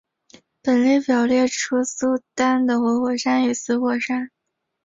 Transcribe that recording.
本列表列出苏丹的活火山与死火山。